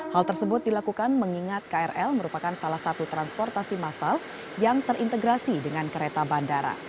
hal tersebut dilakukan mengingat krl merupakan salah satu transportasi massal yang terintegrasi dengan kereta bandara